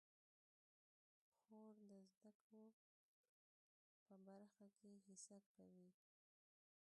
خور د زده کړو په برخه کې هڅه کوي.